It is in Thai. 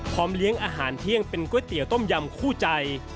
เลี้ยงอาหารเที่ยงเป็นก๋วยเตี๋ยวต้มยำคู่ใจ